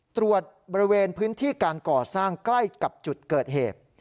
ตรวจบริเวณพื้นที่การก่อสร้างใกล้กับจุดเกิดเหตุ